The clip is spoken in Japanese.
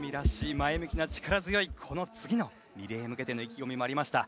前向きな力強いこの次のリレーに向けての意気込みもありました。